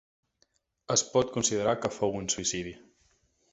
Es pot considerar que fou un suïcidi.